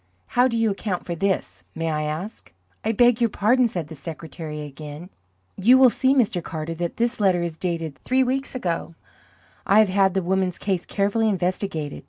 How do you account for this, may I ask?" "I beg your pardon," said the secretary again. "You will see, Mr. Carter, that that letter is dated three weeks ago. I have had the woman's case carefully investigated.